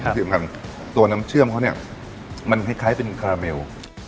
ครับชิมกันตัวน้ำเชื่อมเขาเนี้ยมันคล้ายคล้ายเป็นคาเมล